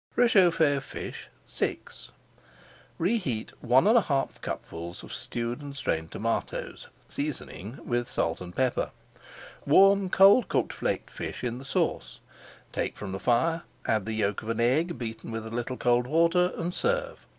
RÉCHAUFFÉ OF FISH VI Reheat one and one half cupfuls of stewed [Page 480] and strained tomatoes, seasoning with salt and pepper. Warm cold cooked flaked fish in the sauce, take from the fire, add the yolk of an egg beaten with a little cold water, and serve.